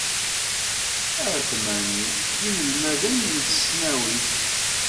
Aredmani, d inelmaden n tesnawit.